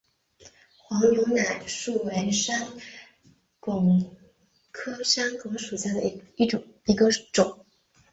黄牛奶树为山矾科山矾属下的一个种。